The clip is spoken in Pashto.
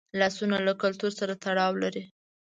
لاسونه له کلتور سره تړاو لري